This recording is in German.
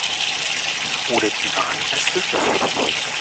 Oder die Warnweste?